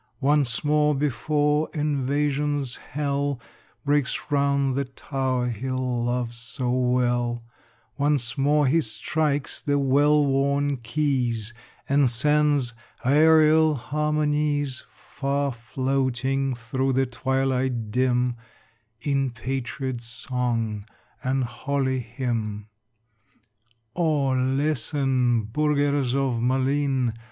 Once more, before invasion's hell Breaks round the tower he loves so well, Once more he strikes the well worn keys, And sends aërial harmonies Far floating through the twilight dim In patriot song and holy hymn. O listen, burghers of Malines!